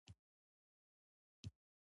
د اسلام پيغمبر ص وفرمایل هر انسان خطاکار دی.